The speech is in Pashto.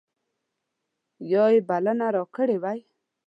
یا یې بلنه راکړې وای.